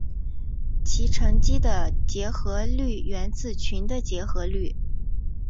其乘积的结合律源自群的结合律。